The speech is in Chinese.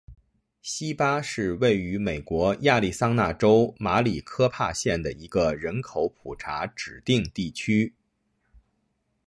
锡巴是位于美国亚利桑那州马里科帕县的一个人口普查指定地区。